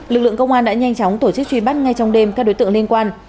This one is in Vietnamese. lực lượng công an đã nhanh chóng tổ chức truy bắt ngay trong đêm các đối tượng liên quan